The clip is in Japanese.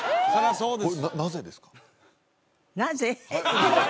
そうですね